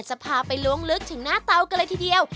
จะพาไปล้วงลึกถึงหน้าเตากันเลยทีเดียว